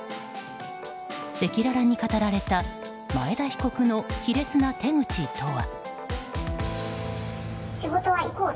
赤裸々に語られた前田被告の卑劣な手口とは。